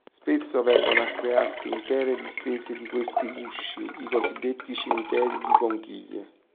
Spesso vengono a crearsi intere distese di questi gusci, i cosiddetti "cimiteri di conchiglie".